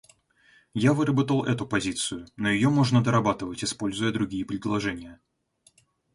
Я выработал эту позицию, но ее можно дорабатывать, используя другие предложения.